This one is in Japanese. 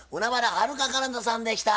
はるか・かなたさんでした。